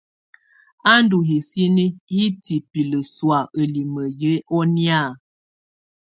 Á ndù hisini hitibilǝ sɔ̀á ǝlimǝ yɛ ɔnɛ̀á.